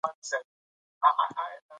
له ټوکرانو څخه جوړه وه رنګینه